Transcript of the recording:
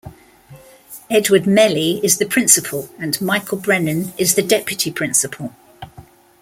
Edward Melly is the principal and Michael Brennan is the Deputy Principal.